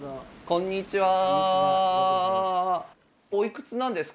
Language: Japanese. こんにちは。